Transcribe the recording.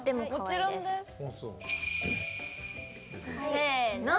せの。